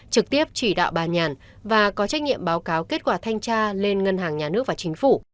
trực tiếp chỉ đạo bà nhàn và có trách nhiệm báo cáo kết quả thanh tra lên ngân hàng nhà nước và chính phủ